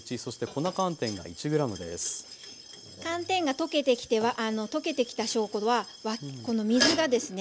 寒天が溶けてきた証拠はこの水がですね